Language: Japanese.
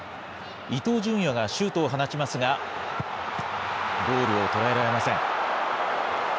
伊東純也がシュートを放ちますが、ゴールを捉えられません。